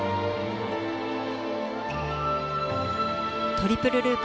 トリプルループ。